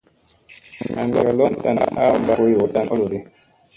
An kaa lop tan a mba go yoo tani oloɗi.